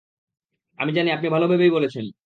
আমি জানি আপনি ভালো ভেবেই বলেছেন।